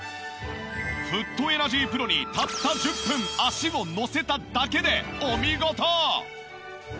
フットエナジープロにたった１０分足をのせただけでお見事！